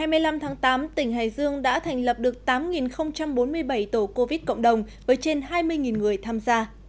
ngày hai mươi năm tháng tám tỉnh hải dương đã thành lập được tám bốn mươi bảy tổ covid cộng đồng với trên hai mươi người tham gia